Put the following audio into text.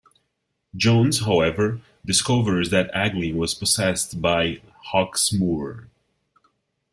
Jones, however, discovers that Agglin was possessed by Hawksmoor.